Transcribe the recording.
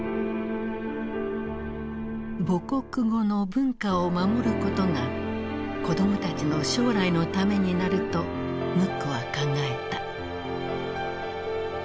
母国語の文化を守ることが子供たちの将来のためになるとムックは考えた。